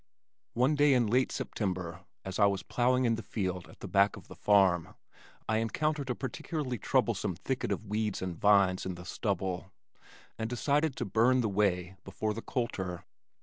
One day in late September as I was plowing in the field at the back of the farm, I encountered a particularly troublesome thicket of weeds and vines in the stubble, and decided to burn the way before the coulter.